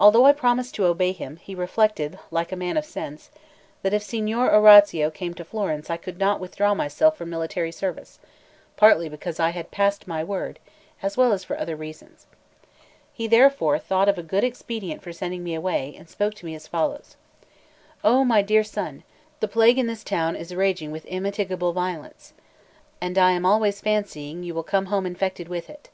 Although I promised to obey him, he reflected, like a man of sense, that if Signor Orazio came to Florence, I could not withdraw myself from military service, partly because I had passed my word, as well as for other reasons; He therefore thought of a good expedient for sending me away, and spoke to me as follows: "Oh, my dear son, the plague in this town is raging with immitigable violence, and I am always fancying you will come home infected with it.